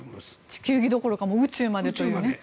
地球儀どころか宇宙にまでと。